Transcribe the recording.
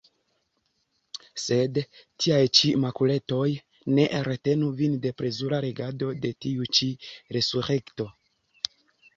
Sed tiaj ĉi makuletoj ne retenu vin de plezura legado de tiu ĉi Resurekto!